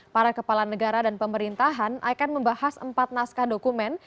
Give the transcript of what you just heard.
para kepala negara dan pemerintahan akan membahas empat naskah dokumen